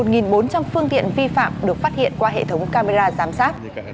một bốn trăm linh phương tiện vi phạm được phát hiện qua hệ thống camera giám sát